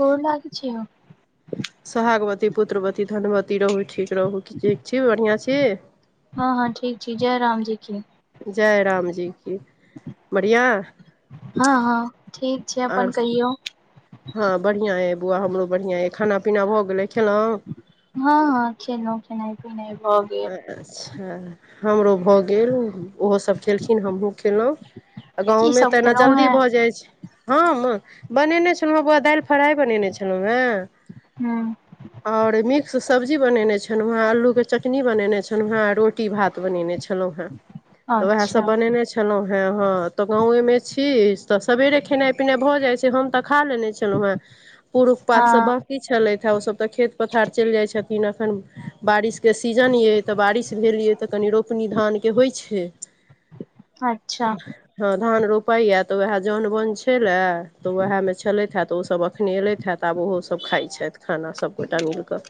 गोर लागै छिअउ। सोहागवती पुत्रवती धनवती रहू ठीक रहू ठीक छी बढ़ियां छी। हं हं ठीक छी जय राम जी की। जय रामजी की बढ़िआं। हँ हँ ठीक छै आर अपन कहियौ। हँ बढ़िआँ अइ बौआ हमरो बढ़िआँ अइ खाना पीना भऽ गेलै खेलहुँ। हँ हँ खेेलो खेनाइ पिनाइ भऽ गेल। अच्छा हमरो भऽ गेल ओहोसभ खेलखिन हमहूँ खेलहुँ। आ की गाँवमे सब तऽ एना खेलहुँ जल्दी हेँ भऽ जाइ छै। हम बनेने छलहुँ हेँ बौआ दालि फ्राइ बनेने छलहुँ हेँ। हू। और मिक्स सब्जी बनेने छलौं वें आलू के ची। चटनी बनेने छलौं हें रोटी भात बनेने छलौं हें तऽ वएह अच्छा सब बनेने छलं। छलेलौं हे ह तो गांवे में छी तऽ सबवेरे खेनाइ पिनाय भऽ जाय छै हम तऽ खा लेने छी। छलहु हेँ पूर उ पात सब हँ बाकी छलथि हे ओ सब तऽ खेत पथार चलि जाइत छल। खन बारिश। के सीजन यइ तऽ बारिश भेल यऽ तऽ कनि रोपनी धानके होइत छै अच्छा। हँ धान रोपाईये त वैह जौन बोन छले त वैहे मे छलथि हे त ओ सब अखने एलथि छथि आब ओहो सभ खाइत छथि खाना सभ गोटा मिल क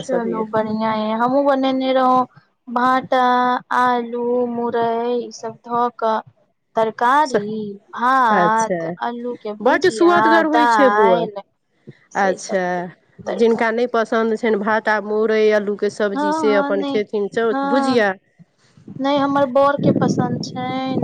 चलू बढ़िया अछि हमहुँ बनेने रहौं भाँटा, आलू, मुरई ई सब ध क तरकारी, अच्छा भात अल्लू के बड्ड भुजिया, सुअदगर होइ छै बौआ दालि से अच्छा सबके जिनका तरकारी नहि पसन्द छनि भाटा आ मुरै आलूके के हँ सब्जी से अपन खेथिन चौ भुजिया नै हमर बर के पसन्द छैन,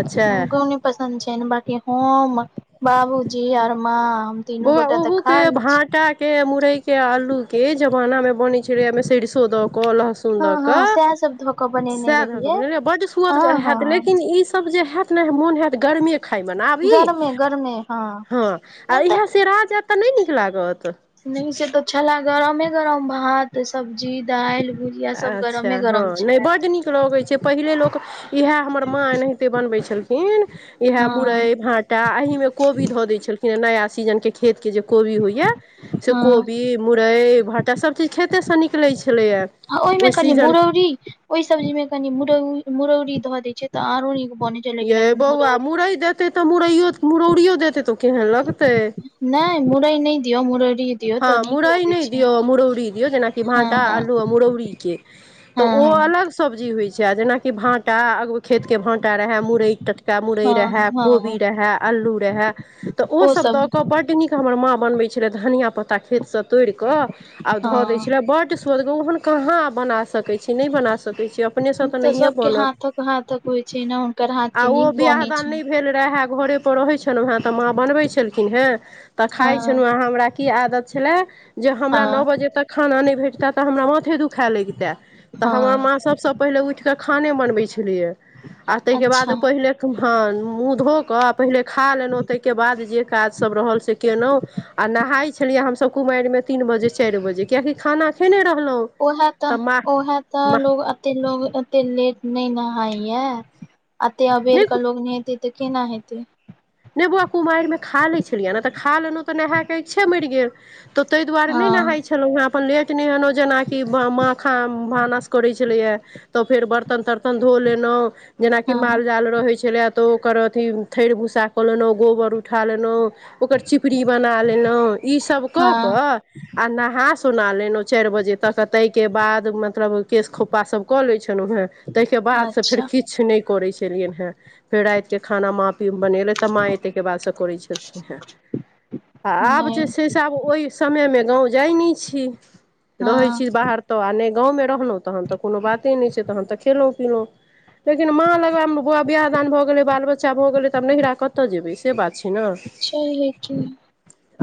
अच्छा हुनको नै पसन्द छैन बाकी हम बाबूजी आर माँ तीनू बौआ गोटा तऽ ओहू खा के लै छी भाँटा के मुरई के आलू के, जमाना में बनै छलै ओहिमे सरसो द के लहस हँ ल हँ के, सएह सब धऽ कऽ बनेने सैह द के रहियै भेल जे बड हँ सुअदगर हैत हँ लेकिन ई सब जे हैत इतना मोन हयत गर्मे खायमे ने आब ई, गरमे गरमे हँ आ नहि तऽ इएह सेरा जयत त नै नीक लागत नै से त छले गरमे गरम भात, सब्जी, दालि, भुजिया सब अच्छा गरमे हँ, गरम नै छले बड नीक लगै छै पहिले लोक यैह हमर माँ एनाहिते बनबै छलखिन यैह हँ मुरई भाटा टा, एहिमे कोबी ध दै छलखिन हे नया सीजन के खेत के जे कोबी होइये से हँ कोबी, मुरई, भ त सभ चीज खेतेसे निकलै छलैये ओहिमे कनि मुरौरी ओहि सब्जी मे कनि मुरौ मुरौरी ध देय छै ते आरो नीक बनै छै लेकिन यै एखन बौआ मुरौरी मुरै देतै त मुरैयो मुरौड़ियो देतै त ओ केहन लगतै? नहि मुरै नहि दियौ, मुरौरी दियौ तऽ हँ नीक मुरइ लगै नहि छै दियौ आ मुरौरी दियौ जेनाकि हँ भाँटा हँ आलू आ मुरौरीके त ओ हँ अलग सब्जी होइ छै आ जेनाकि भाटा खेतके भाँटा रहय, मुरै टटका मुरै हँ रहए, हँ हँ कोबी रहए, अल्लू रहय त ओ सभ द क बड नीक हमर माँ बनबै छले धनिया पत्ता खेत से तोड़िक आ ध दै हँ छल बड सुअदगर ओहेन कहाँ बना सक सकै छी नहि बना सकै छी, अपनेसँ त तऽ नहिए सबके बनत हाथक हाथक होइ छै ने हुनकर हाथ आ के ओ नीक बियाह बनै दान छै नहि भेल रहे घरे पर रहै छलहु हेँ त माँ बनबै छलखिन हेँ त हँ खाय छलहुँ हमरा की आदत छले जे हमरा नओ हँ बजे तक खाना नहि भेटतै त हमरा माथे दुखाए लगितै। त हमर हँ माँ सभसँ पहिले उठि क खाने बनबैत छलैये आ ताहिके बाद अच्छा पहिले हँ मुँह धोक पहिले खा लेलहुँ ताहिके बाद जे काज सब रहल से केलहुँ आ नहाइ छलियै हम सब कुमारिमे तीन बजे चारि बजे, कियाकि खाना खेने रहलहुँ ओहे त तऽ माँ ओहे त माँ लोग एते लोग एते लेट नहि नहाय ये, एते अबेर नहि के लोग नहेतै त केना हेतै? नहि बौआ कुमारिमे खा लै छलियै ने त खा लेलहुँ त नहाए के इच्छे मरि गेल त तै दुआरे नहि हँ नहाय छलौं हें अपन लेट नहेलौं जेनाकि माखा भानस करै छलैये तऽ फेर बर्तन तर्तन धो लेलहुँ जेनाकि हँ माल जाल रहै छलै तऽ ओकर अथि थैर भूस्सा कऽ लेलहुँ गोबर उठा लेलहुँ ओकर चिपरी बना लेलहुँ ईसब कऽ हँ कऽ आ नहा सोना लेनहु चारि बजे तक आ तई के बाद मतलब केश खोपा सब कऽ लै छलहुँ हेँ तइके बाद से फेर अच्छा किछु नहि करैत छलियनि हेँ फेर राति के खाना माँ पी बनेलथि तऽ माय ए तै के बाद से करै छलखिन हें आ आब नहि जे छैय से आब ओहि समय मे गांव जाय नै छी रहे हँ छी बाहर तो आ नै गाँवमे रहलहुँ तहन तऽ कोनो बाते नहि छै तहन तऽ खेलहुँ पीलहुं लेकिन माँ लंग मे आब बौआ बियाह दान भए गेले बाल बच्चा भऽ गेले तब नैहरा क कतऽ जेबै से बात छैय ने छैहे कि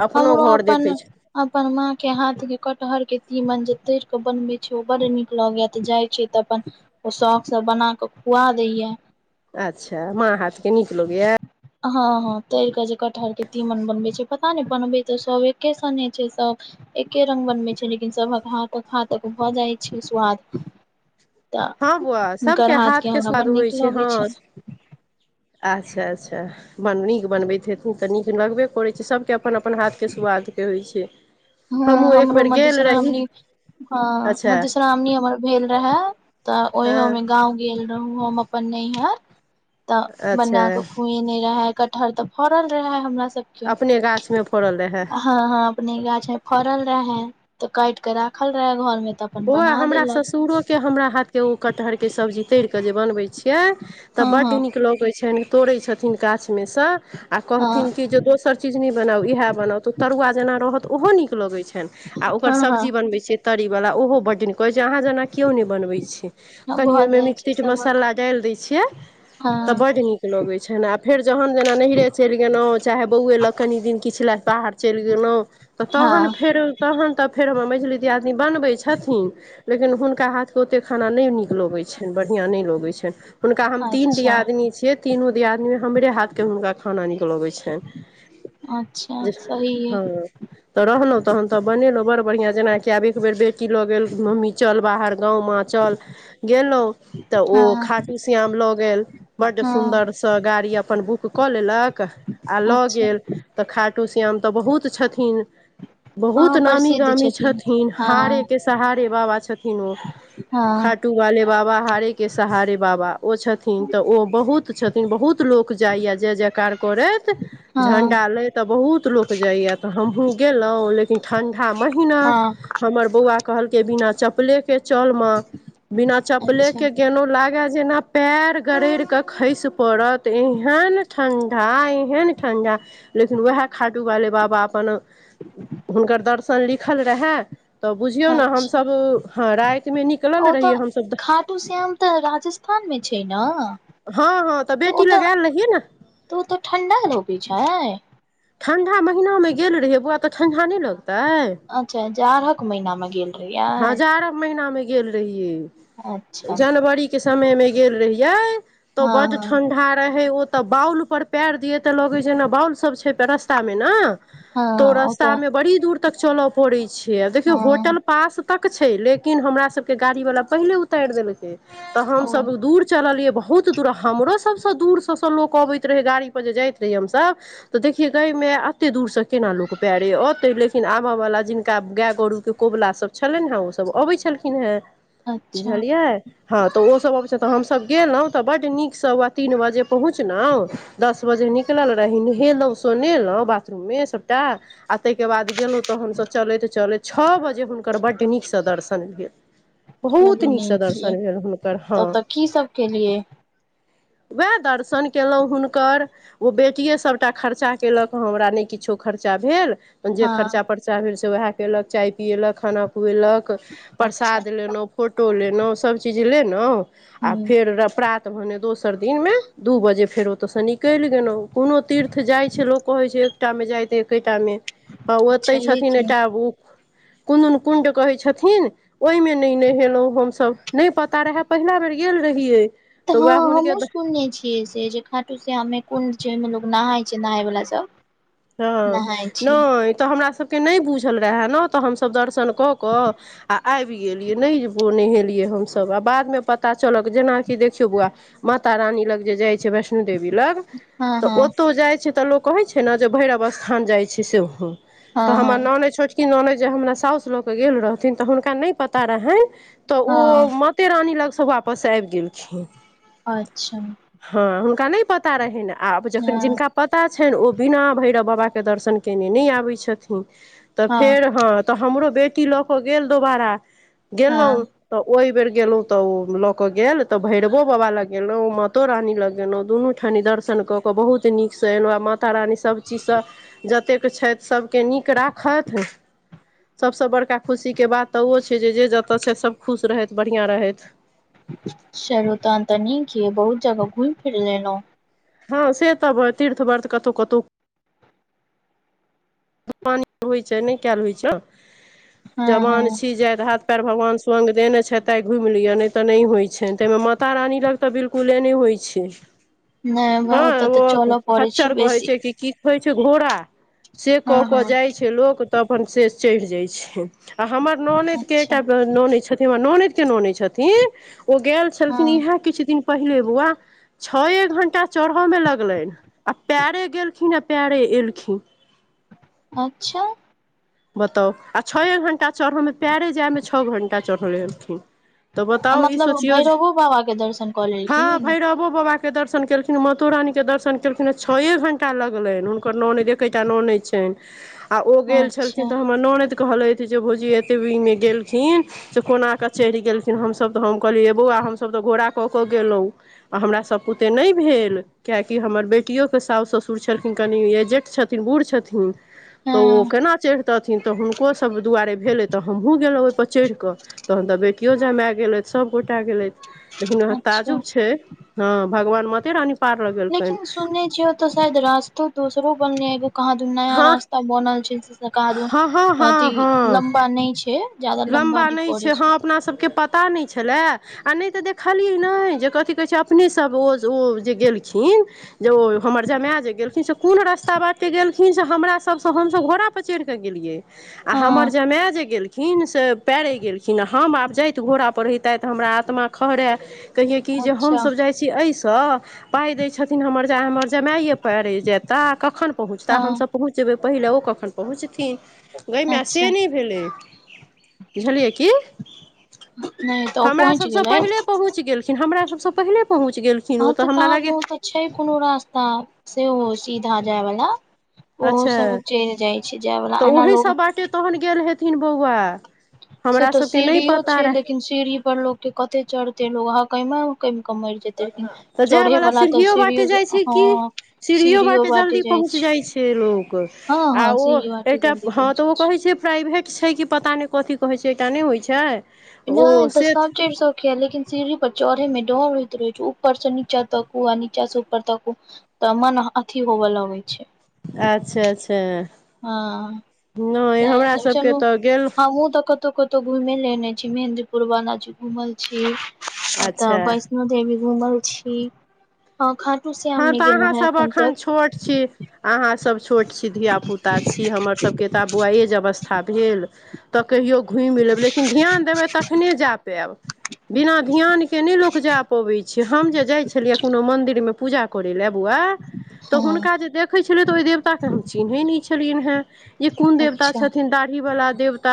अपनो हमरो घर अपन देखै छै अपन माँ के हाथ के कटहर के तीमन जे तैर क बनवे छैय ओ बड़ नीक लगैय तो जाय छियै तऽ अपन ओ शौक से बना कऽ खुआ दैया अच्छा माँ हाथ के नीक लगैयै हँ हँ तैर के जे कटहर के तीमन बनबे छैय पता नहि बनबे तऽ सब एकेसने छैय सब एके रंग बनबै छैय लेकिन सभक हांथक- हांथक भऽ जाइ छैय स्वाद तऽ हाॅं बौआ हुनकर सबके हाथ के हमरा स्वाद बड होइ नीक छैय लगै हँ छै अच्छा अच्छा बन नीक बनबैत हेथीन तऽ नीक लगबे करैत छै सभके अपन -अपन हाथके सुआदके होइत छै हँ हमहूँ एक हमरो बेर गेल रही मधुश्रावणी हँ अच्छा मधुश्रावणी हमर भेल रहए तऽ हँ ओहियोमे गाँव गेल रहूं हम अपन नैहर तऽ अच्छा बना क खुएने रहै कटहर तऽ फरल रहै हमरा सब अपने गाछमे फड़ल रहै हॅं हॅं अपने गाछ में फड़ल रहे तऽ काइट क राखल रहे घर में तऽ अपन बौआ बना हमरा देलक ससुरो के हमरा हाथ के ओ कटहर के सब्जी तैर कऽ जे बनबै छी यै तऽ हँ बड्ड हँ नीक लगै छनि तोड़ै छथिन गाछमे सँ आ हँ कहथिन कि जे दोसर चीज नहि बनाउ इहै बनाउ तऽ ओ तरुआ जेना रहत ओहो नीक लगैत छनि आ आ ओकर हँ हँ सब्जी बनबैत छियै तरीवला ओहो बड्ड नीक कहैत छै अहाँ जेना केओ नहि बनबैत छै हँ कनि भऽ ओहिमे जाइ मिट छै तीट सबक मसाला डालि दैत छियै तऽ हँ बड नीक लगैत छनि आ फेर जहन जेना नैहरे चलि गेलहुँ चाहे बौए लग कनि दिन किछ लय बाहर चलि गेलौं तऽ तहन हँ फेर तहन तऽ फेर हमर मैझली दियादिनी बनबै छथिन लेकिन हुनका हाथ ओतेक खाना नहि नीक लगैत छनि बढ़िआँ नहि लगैत छनि। हुनका हम तीन अच्छा दियादिनी छियै तीनू दियादिनीमे हमरे हाथके हुनका खाना नीक लगैत छनि। अच्छा जे सही य हँ रहलहुँ तहन तऽ बनेलहुं बड़ बढ़िया जेनाकि आब ई एक बेेर बेटी लऽ गेल मम्मी चल बाहर गाँवमे चल गेलहुँं तऽ ओ हँ खाटू श्याम लऽ गेल बड हँ सुन्दर सँ गाड़ी अपन बुक कऽ लेलक आ लऽ अच्छा गेल तऽ खाटू श्याम तऽ बहुत छथिन बहुत हँ नामी प्रसिद्ध गामी छथिन हँ हारे के सहारे बाबा छथिन ओ खाटू हँ खाटुवाले बाबा हारे के सहारे बाबा ओ छथिन तऽ ओ बहुत छथिन बहुत लोक जाइया जै जै कार करैत हँ झण्डा लैत आ बहुत लोक जाइए तऽ हमहूँ गेलहुँ लेकिन ठंढा महीना हँ हमर बौआ कहलकै बिना चपले के चल मा, बिना चपले अच्छा के गेलौं लागल जेना पयर गरैड़ क खसि पड़त एहन ठण्डा एहन ठण्डा लेकिन वैहे खाटूवाले बाबा अपन, हुनकर दर्शन लिखल रहए त बुझियौ ने अच्छा हमसब हँ रातिमे निकलल ओ तऽ रहियै हमसब खाटू श्याम त राजस्थान मे छै ना हँ हँ त बेटी लग आयल रहियै ना त ओत ठण्डा लगै छै? ठन्डा महिनामे गेल रहियै बौआ त ठण्डा नहि लगतै अच्छा जाड़क महिना मे गेल हं रहियै जाड़क महिनामे गेल रहियै। अच्छा जनवरी के समय मे गेल रहियै त हँ बड हँ ठंडा रहेे ओ त बाउल पर पैर दियै ते लगै छै ने बाउल सब छैे रास्ता मे ना हँ त ओ तऽ रास्तामे बड़ी दूर तक चल पड़ैत छै आ देखियौ हँ होटल पास तक छै लेकिन हमरा सब के गाड़ी बला पहिले उतैर देलकै त हम ओ सब चललै बहुत दूर हमरो सबसँ दूर सब स लोक अबैत रहै गाड़ी पर जे जाइत रहियै हमसभ त देखियै गै माय एते दूरसँ केना लोक पैरे औते लेकिन आबयवला जिनका गाय गरुके कोबला सभ छलनि हेँ ओसभ अबैते छलखिन हेँ अच्छा बुझलियै हँ त ओसभ अबै छै त हमसभ गेलहुँ त बड नीकसँ व तीन बजे पहुँचलहुँ दस बजे निकलल रही, नहेलहुँ सोनेलहुँ बाथरूममे सभटा आ ताहिके बाद गेलहुँ त हमसभ चलैत चलैत छओ बजे हुनकर बड नीकसँ दर्शन भेल। बहुत चलू नीकसँ नीक यै दर्शन भेल हुनकर हं ओतऽ की सब केलियै वैह दर्शन केलहुँ हुनकर ओ बेटिए सभटा खर्चा केलक हँ, हमरा नहि किछो खर्चा भेल। जे हँ खर्चा पर्चा भेल से वैह केलक। चाय पियेलक खाना खुएलक अच्छा प्रसाद लेलहुँ फोटो लेलहुँ सभ चीज लेलहुँ आ ह फेर प्रात त भने दोसर दिनमे दू बजे फेर ओत सँ निकलि गेलहुँ। कोनो तीर्थ जाइ छै लोक कहैत छै एकटा मे जाइत एकेटा मे आ ओते छैहे छथिन की एकटा कोनन कुण्ड कहै छथिन ओहिमे नहि नहेलहुँ हमसभ, नहि पता रहय पहिला बेर गेल रहियै। त तऽ हँ उएह हमहु हुनके सुनने छियै। जे छै खाटू श्याम मे कुण्ड छै कोन लोग नहााय छै नहाय वला सब। हँ नहाय छै नै त हमरासभके नहि बुझल रहए ने त हमसभ दर्शन क क आ आबि गेलियै नहि नहेलियै हमसभ आ बादमे पता चलल। जेनाकि देखियौ बौआ माता रानी लग जे जाइत छै वैष्णो देवी लग हँ त हँ ओतौ जाइत छै त लोक कहै छै ने जे भैरव स्थान जाइत छै सेहो हँ त हमर हँ नामे छोटकी छोटकी ननैद जे हमरा साउस ल के गेल रहथिन त हुनका नहि पता रहनि त ओ हँ म माते रानी लगसँ वापस आबि गेलखिन। अच्छा हँ हुनका नहि पता रहनि, आब जखन हँ जिनका पता छनि ओ बिना भैरव बाबाके दर्शन केने नहि आबै छथिन, त फेर हँ त हमरो बेटी ल क गेल दोबारा हँ गेलहुँं त ओहि बेर गेलोँ त ओ ल के गेल त भैरवो बाबा लग गेलहु मतो रानी लग गेलहु दुनू ठाम कनि दर्शन कऽ कऽ बहुत नीकसँ एलहुँ, आ माता रानी सभचीजसँ जतेक छथि सभ के नीक राखथि सबसँ बड़का खुशीके बात त ओ छै जे जत छथि सभ खुश रहथि बढ़िआँ रहथि। चलु तहन त नीक या बहुत जगह घुम फिर लेलौ। हां से तऽ ब तीर्थ वर्थ कतौ-कतौ जवानी खत्म होय छै नै काएल होय छै, हँ जवान हँ छी जाय [unintelligible] पैर भगवान स्वांग देना छै त आय घुम लियो नै तऽ नै होय छै, तै मे माता रानी लग तऽ बिलकुले नै होय छै। नहि हां ओतऽ तऽ चलऽ ओ पड़ै छै खच्चर कहै बेसी छै कि की कहै छै घोड़ा? से हँ कऽ कऽ हँ जाय छै लोक तऽ अपन से चैढ़ जाय छै। आ हमर ननैद के अच्छा एकटा ननैद‌ छथिन, हमर ननैद के ननैद छथिन। ओ गेल छलखिन हँ इहाए किछ दिन पहिले बौअवा छए घंटा चढ़ऽ मे लगलैन आ पाएरे गेलखिन ए पाएरे एलखिन। अच्छा। बताउ आ छए घण्टा चढ़ऽ मे पाएरे जाय मे छ घंटा चढ़ले एलखिन तऽ बताउ ई मतलब सोचियौ भैरवो बाबा के दर्शन क लेलखिन। उहो बाबा के दर्शन केलखिन, मातो रानी के दर्शन केलखिन आ छए घंटा लगलैन, हुनकर नौनेद ए केटा नौनेद छैन आ ओ गेल अच्छा छलखिन त हम हमर नोनैद कहलैथ जे भौजी ए एते भीड़मे गेलखिन से कोना कऽ चैढ़ गेलखिन, हमसब तऽ हम कहलियै यै बौअवा हम सब तऽ घोड़ा कऽ कऽ गेलौ। आ हमरा सब पुते नै भेल। कियाकि हमर बेटियो के सोस, ससुर छलखिन कनि एजेट छथिन, बुढ़ छथिन। तऽ ओ हँ केना चैढ़तेयथिन तऽ हुनको सब दुआरे भेलै तऽ हमहु गेलौ ओय पर चढ़ कऽ तहन तऽ बेटियो जमाय गेलैथ सब गो टा गेलैथ लेकिन हां अच्छा ताजुब छै हां भगवान माते रानी पार लगेलकनि लेकिन सुनने छीये ओता शायद रास्तो दोसरो बनलै एगो कहाँ दन नै नया हँ रास्ता बनल छै। हँ हँ [unintelligible] अथि हँ हँ लम्बा नै छै। ज्यादा लम्बा नहि नै पड़ै छै, हां अपना सबके पता नै छलाए। आ नै तऽ देखली नै जे कथि कहै छै अपने सब ओ ओ जे गेलखिन जे ओ हमर जमाय जे गेलखिन से कुन रस्ता बाटे गेलखिन से हमरा सबसे हम सब घोड़ा पर चैढ़ कऽ गेलियै। आ हँ हमर जमाय जे गेल खिन से पाएरे गेलखिन, हम आब जायत घोड़ा पर रहि तायत हमरा आत्मा खहरय। कहियै कि जे हम अच्छा सब जाय छी ऐ स, पाय देय छथिन हमर जा हमर जमाइए पाएरे जेता, कखन पहुँचता, हम हँ सब पहुँच जेबै पहिले ओ कखन पहुँचथिन। गय माय से अच्छा नै भेलै। बुझलियै की नहि तऽ ओ हमरा पहुँच सबसे गेलथि पहिले पहुँच गेल खिन हमरा सबसे पहिले पहुँच गेलखिन ओ हँ तऽ हमरा कहाँ दुन लागै ओतऽ छै कुनू रास्ता सेहो सीधा जाय वला। ओहो अच्छा सब चैल जाय छै जाय वला, तऽ एना ओही लोग सब बाटे तहन गेल हेथिन बौअवा। से तऽ सीढ़ीयो छै, लेकिन सीढ़ी पर लोक के कते चढ़ते लोक [unintelligible] कैम के मैर जेते, लेकिन तऽ जाय चढ़े वाला वला ते बाटे सीढ़ियो से जाइ छै हां सीढ़ियो बाँटे जाय [unintelligible] जाय छै लोक आ ओ सीढ़ी बाटे जल्दी एकटा हां पहुँच तऽ जाइ ओ कहै छै प्राइभेट छै कि पता नै कथी कहै छै, एकटा नै होय छै नै ओ तऽ से सब चैढ़ स कै, लेकिन सीढ़ी पर चढ़य मे डर होएत रहे छै, ऊपर से नीचा ताकू आ नीचा से ऊपर ताकू तऽ मन अथी होबा लागै छै। अच्छा अच्छा हँ नहि सैह हमरा सब सबके चालु तऽ गेल हमहुं तऽ कतहु कत तहु घुइमे लेने छी मेंहदीपुर बाला जी घूमल छी ओतऽ अच्छा वैष्णो देवी घुमल छी हँ खाटूश हँ तऽ अहाँसभ अखन छोट छी अहाँ सभ छोट छी धियापुता छी हमरसभके तऽ आब बौआ एज अवस्था भेल तऽ कहियो घुइम लेब लेकिन ध्यान देबै तखने जा पैब। बिना ध्यानके नए लोक जा पबैत छै हम जे जाइत छलियै कोनो मन्दिरमे पूजा करै लए बौआ तऽ हँ हुनका जे देखै छलीयै तऽ ओइ देवताके हम चिन्है नए छलियैन हेँ ई कोन देवता अच्छा छथिन दाढ़ी वला देवता